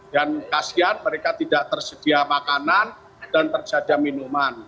dan kasian mereka tidak tersedia makanan dan terjadi minuman